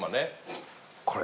これ。